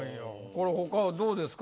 これ他はどうですか？